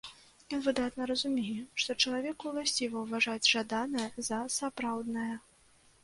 Ён выдатна разумее, што чалавеку ўласціва ўважаць жаданае за сапраўднае.